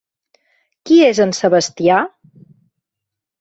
Qui és en Sebastià?